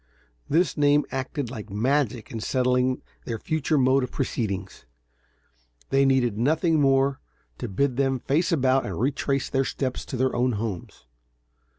This name acted like magic in settling their future mode of proceedings. They needed nothing more to bid them face about and retrace their steps to their own homes.